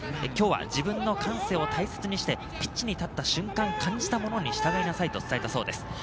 今日は自分の感性を大切にしてピッチに立った瞬間、感じたものに従いなさいと伝えたそうです。